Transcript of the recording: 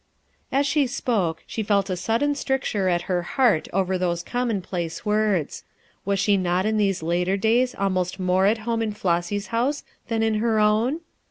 As she spoke, she felt a sudden stricture at her heart over those commonplace words. Was she not In these later days almost more at home in Flossy 's house than in her own?